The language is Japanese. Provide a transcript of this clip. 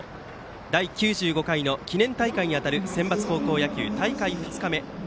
第９５回の記念大会に当たるセンバツ高校野球大会２日目。